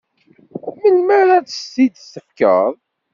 Melmi ara as-t-id-tefkeḍ?